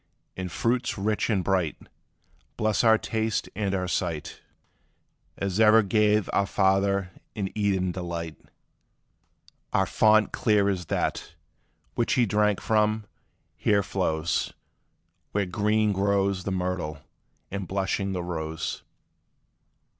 And fruits rich and bright Bless our taste and our sight As e'er gave our father in Eden delight: Our fount clear as that, which he drank from, here flows; Where green grows the myrtle, and blushing the rose.